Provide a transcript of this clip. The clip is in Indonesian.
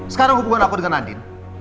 sekarang hubungan aku dengan adil